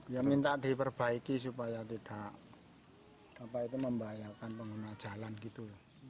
ya minta diperbaiki supaya tidak membahayakan pengguna jalan gitu